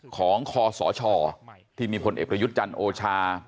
ของคอสชที่มีพลเอกลยุทธ์จันทร์โอชา